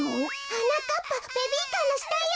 はなかっぱベビーカーのしたよ！